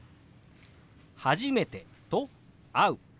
「初めて」と「会う」。